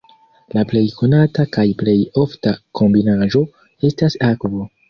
La plej konata kaj plej ofta kombinaĵo estas akvo.